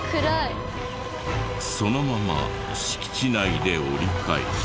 そのまま敷地内で折り返し。